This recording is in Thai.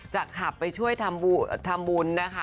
ขับไปช่วยทำบุญนะคะ